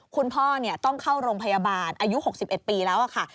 คุณพ่อต้องเข้าโรงพยาบาลอายุ๖๑ปีแล้วค่ะ